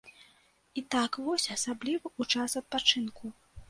І так вось асабліва ў час адпачынку.